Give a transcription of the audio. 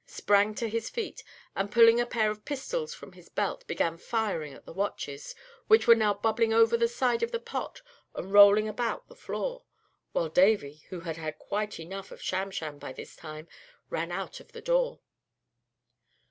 sprang to his feet, and, pulling a pair of pistols from his belt, began firing at the watches, which were now bubbling over the side of the pot and rolling about the floor; while Davy, who had had quite enough of Sham Sham by this time, ran out of the door.